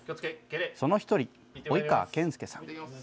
その一人、及川健輔さん。